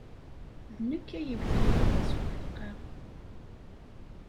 D nekk ay iwten Yuba s ubeqqa.